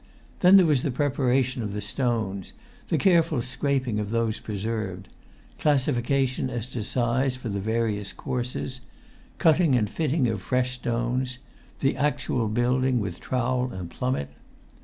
Then there was the preparation of the stones; the careful scraping of those preserved; classification as to size for the various courses;[Pg 135] cutting and fitting of fresh stones; the actual building with trowel and plummet.